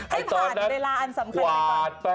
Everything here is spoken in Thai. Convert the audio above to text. ให้ผ่านเวลาอันสำคัญดีกว่า